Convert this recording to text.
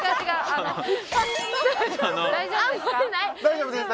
あの大丈夫ですか？